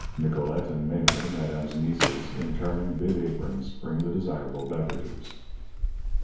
Nicolette and Mémé, madame's nieces, in charming bib aprons, bring the desirable beverages.